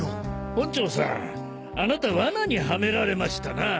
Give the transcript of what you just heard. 本城さんあなた罠にハメられましたなぁ。